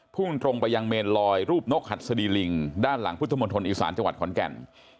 พุ่งตรงไปยังเมนลอยรูปนกหัดสดีลิงด้านหลังพุทธมนตรอีสานจังหวัดขอนแก่น